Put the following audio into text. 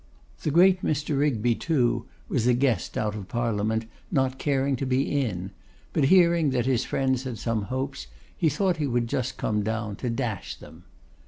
The great Mr. Rigby, too, was a guest out of Parliament, nor caring to be in; but hearing that his friends had some hopes, he thought he would just come down to dash them.